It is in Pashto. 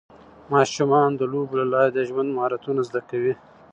ماشومان د لوبو له لارې د ژوند مهارتونه زده کوي.